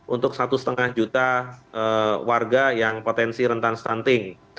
untuk satu lima juta warga yang potensi rentan stunting